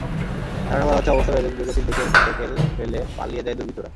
ধারণা করা হচ্ছে, অবস্থা বেগতিক দেখে মোটরসাইকেল ফেলে পালিয়ে যায় দুর্বৃত্তরা।